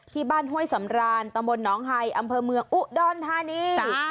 ที่บ้านห้วยสำราญตะบลน้องไฮอำเภอเมืองอุ๊ะดอนธานี